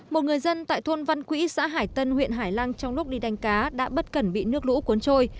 một người dân tại thôn văn quỹ xã hải tân huyện hải lăng trong lúc đi đánh cá đã bất cẩn bị nước lũ cuốn trôi